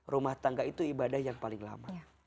rumah tangga itu ibadah yang paling lama